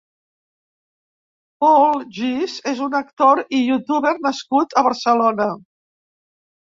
Pol Gise és un actor i youtuber nascut a Barcelona.